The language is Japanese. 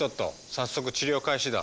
早速治療開始だ。